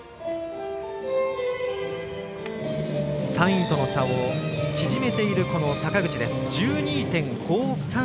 ３位との差を縮めている坂口です。１２．５３３。